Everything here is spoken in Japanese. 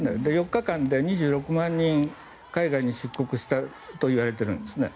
４日間で２６万人海外に出国したといわれているんですね。